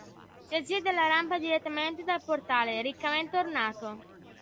Si accede alla rampa direttamente dal portale riccamente ornato.